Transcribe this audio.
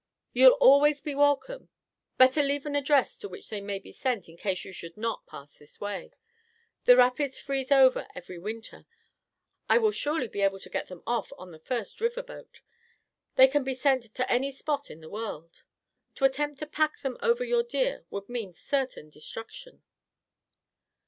You'll always be welcome. Better leave an address to which they may be sent in case you should not pass this way. The rapids freeze over every winter. I will surely be able to get them off on the first river boat. They can be sent to any spot in the world. To attempt to pack them over on your deer would mean certain destruction."